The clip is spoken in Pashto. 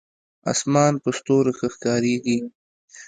اسمان په ستورو ښه ښکارېږي.